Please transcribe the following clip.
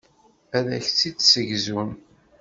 Ad ak-t-id-ssegzun.